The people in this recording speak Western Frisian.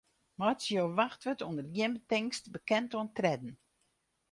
Meitsje jo wachtwurd ûnder gjin betingst bekend oan tredden.